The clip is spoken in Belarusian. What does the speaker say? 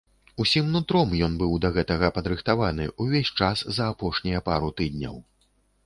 Усім нутром ён быў да гэтага падрыхтаваны ўвесь час за апошнія пару тыдняў.